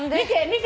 見て。